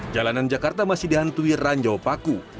jalanan jakarta masih dihantui ranjau paku